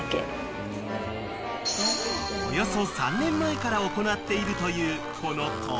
［およそ３年前から行っているというこの登校阻止］